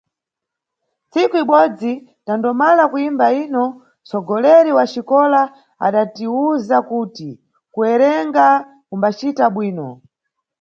Ntsiku ibodzi, tandomala kuyimba yino, nʼtsogoleri wa xikola adatiwuza kuti kuwerenga kumbacita bwino.